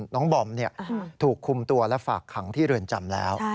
บอมถูกคุมตัวและฝากขังที่เรือนจำแล้ว